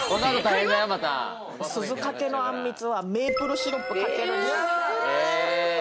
鈴懸のあんみつは、メープルシロップをかけるんです。